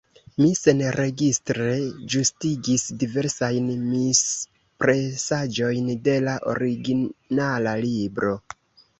Mi senregistre ĝustigis diversajn mispresaĵojn de la originala libro.